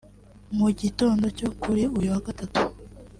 Mu gitondo cyo kuri uyu wagatatu